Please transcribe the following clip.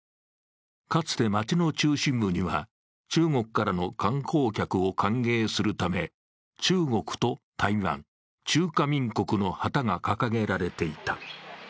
かつて街の中心部には、中国からの観光客を歓迎するため、中国と台湾＝中華民国の旗が掲げられていた。